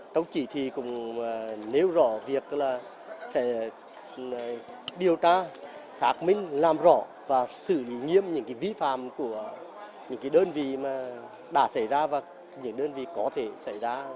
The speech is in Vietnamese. đồng chỉ thị cũng nêu rõ việc điều tra xác minh làm rõ và xử lý nghiêm những vĩ phạm của những đơn vị đã xảy ra và những đơn vị đã xảy ra